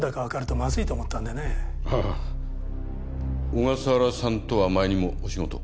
小笠原さんとは前にもお仕事を？